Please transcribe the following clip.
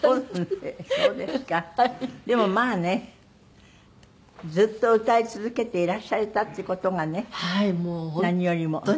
でもまあねずっと歌い続けていらっしゃれたっていう事がね何よりも。